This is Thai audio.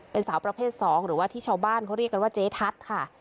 เป็นสาวประเภท๒หรือว่าที่ชาวบ้านเขาเรียกกันว่าเจ๊ทัศน์ค่ะ